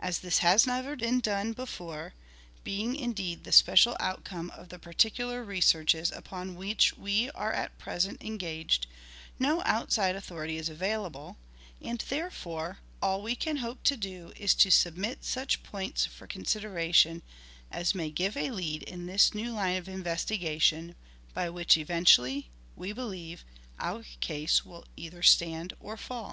As this has never been done before, being indeed the special outcome of the particular researches upon which we are at present engaged, no outside authority is available ; and, therefore, all we can hope to do is to submit such points for consideration as may give a lead in this new line of investigation, by which eventually, we believe, our case will either stand or fall.